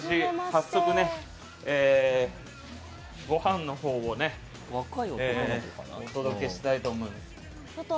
早速ごはんのほうをお届けしたいと思います。